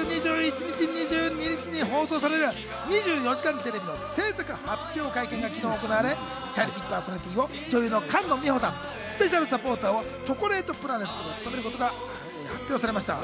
来月２１日、２２日に放送される『２４時間テレビ』の制作発表会見が昨日、行われチャリティーパーソナリティーを女優の菅野美穂さん、スペシャルサポーターをチョコレートプラネットが務めることが発表されました。